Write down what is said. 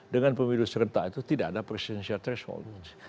dengan pemilu serentak itu tidak ada presidensial threshold